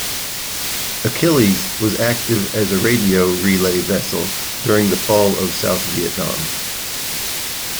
"Achilles" was active as a radio relay vessel during the fall of South Vietnam.